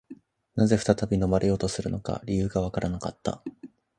何故再び飲まれようとするのか、理由がわからなかった